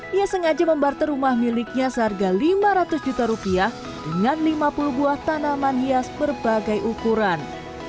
dia sengaja membarter rumah miliknya seharga lima ratus juta rupiah dengan lima puluh buah tanaman hias berbagai ukuran